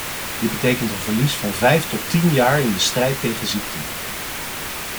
Dit betekent een verlies van vijf tot tien jaar in de strijd tegen ziekten.